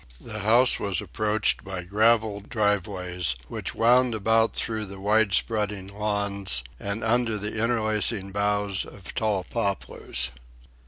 The house was approached by gravelled driveways which wound about through wide spreading lawns and under the interlacing boughs of tall poplars.